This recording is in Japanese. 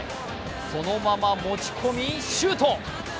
そのまま持ち込み、シュート。